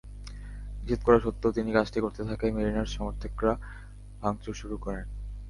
নিষেধ করা সত্ত্বেও তিনি কাজটি করতে থাকায় মেরিনার্স সমর্থকেরা ভাঙচুর শুরু করেন।